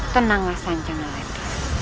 tenanglah senjana etra